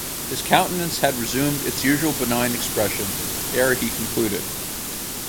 His countenance had resumed its usual benign expression, ere he concluded.